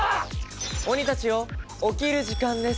鬼たちよ、起きる時間です。